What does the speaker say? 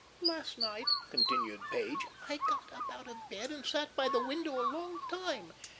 "Last night," continued Page, "I got up out of bed and sat by the window a long time.